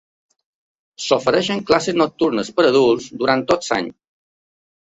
S'ofereixen classes nocturnes per a adults durant tot l'any.